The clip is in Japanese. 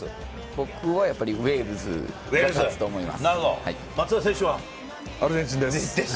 僕はウェールズが勝つと思います。